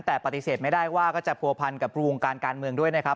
แต่ปฏิเสธไม่ได้ว่าก็จะผัวพันกับวงการการเมืองด้วยนะครับ